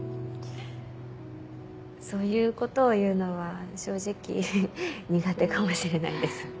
そういうことを言うのは正直苦手かもしれないです。